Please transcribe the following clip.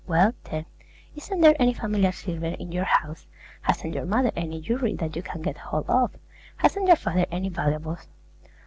Well, then, isn't there any family silver in your house? Hasn't your mother any jewelry that you can get hold of? Hasn't your father any valuables?